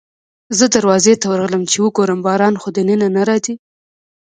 زه دروازې ته ورغلم چې وګورم باران خو دننه نه راځي.